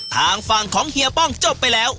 ทางฝั่งของเฮียป้องจบไปแล้ว